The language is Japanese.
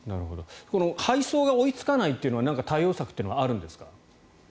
この配送が追いつかないというのは対応策はあるんですか。